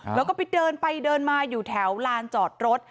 แล้วก็ไปเดินไปเดินมาอยู่แถวลานจอดรถ